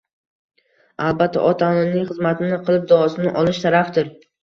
Albatta, ota-onaning xizmatini qilib, duosini olish sharafdir